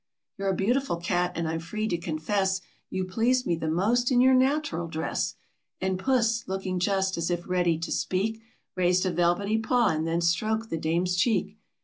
" You're a beautiful cat, and I'm free to confess, You please me the most in your natural dress;" And Puss, looking just as it ready to speak, Raised a velvety paw, and then stroked the Dame's cheek.